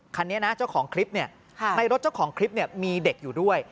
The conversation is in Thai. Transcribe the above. คันนี้นะเจ้าของคลิปในรถเก๋งคันนี้มีเด็กอยู่ด้วย